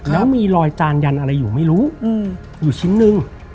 แล้วมีรอยจานยันอะไรอยู่ไม่รู้อยู่ชิ้นนึง